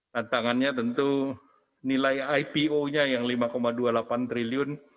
tantangannya tentu nilai ipo nya yang lima dua puluh delapan triliun